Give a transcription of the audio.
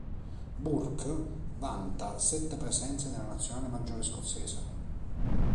Burke vanta sette presenze nella nazionale maggiore scozzese.